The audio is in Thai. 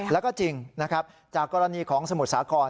แล้วก็จริงนะครับจากกรณีของสมุทรสาคร